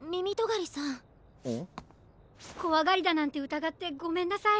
こわがりだなんてうたがってごめんなさい！